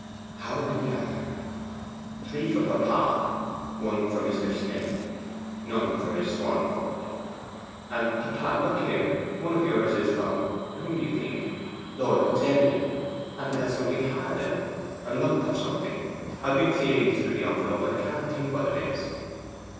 'How many are there? Three for papa, one for Mr. Smith, none for Miss Swancourt. And, papa, look here, one of yours is from whom do you think? Lord Luxellian. And it has something HARD in it a lump of something. I've been feeling it through the envelope, and can't think what it is.